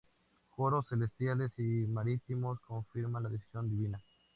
Coros celestiales y marítimos confirman la decisión divina.